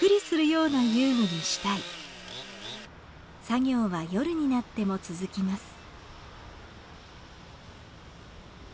作業は夜になっても続きます。